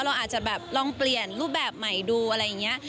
เราอาจจะแบบลองเปลี่ยนรูปแบบใหม่ดูอะไรอย่างนี้